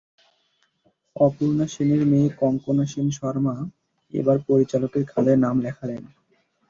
অপর্ণা সেনের মেয়ে কঙ্কণা সেন শর্মা এবার পরিচালকের খাতায় নাম লেখালেন।